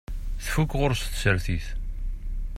Tfuk ɣur-s tsertit.